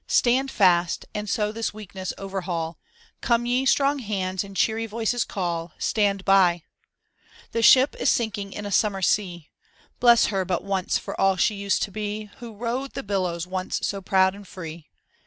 Stand fast and so this weakness overhaul, Come ye strong hands and cheery voices call, "Stand by !" The ship is sinking in a smnmer sea. Bless her but once for all she used to be. Who rode the billows once so proud and free.